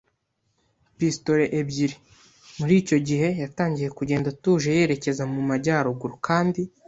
pistolet ebyiri. Muri icyo gihe, yatangiye kugenda atuje yerekeza mu majyaruguru, kandi